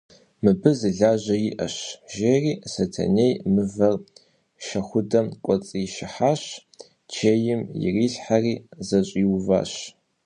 Мыбы зы лажьэ иӏэщ, – жери Сэтэней мывэр шэхудэм кӏуэцӏишыхьащ, чейм ирилъхьэри зэщӏиуфащ.